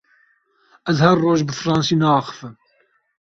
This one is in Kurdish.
Ez her roj bi fransî naaxivim.